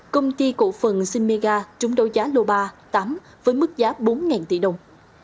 công ty cổ phần simega trúng đối giá lô ba tám với mức giá bốn tỷ đồng